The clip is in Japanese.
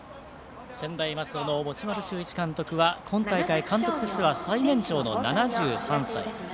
専大松戸の持丸修一監督は今大会監督としては最年長の７３歳。